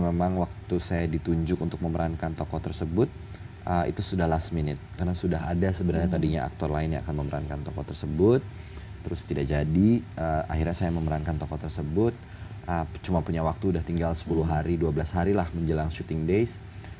memang waktu saya ditunjuk untuk memerankan tokoh tersebut itu sudah last minute karena sudah ada sebenarnya tadinya aktor lain yang akan memerankan tokoh tersebut terus tidak jadi akhirnya saya memerankan tokoh tersebut cuma punya waktu udah tinggal sepuluh hari dua belas hari lah menjelang syuting days